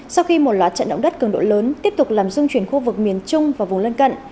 sau khi một loạt trận động đất cường độ lớn tiếp tục làm dung chuyển khu vực miền trung và vùng lân cận